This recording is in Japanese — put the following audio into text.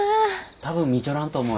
多分見ちょらんと思うよ。